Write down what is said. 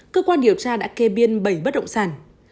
cơ quan điều tra đã kê biên bảy bất động sản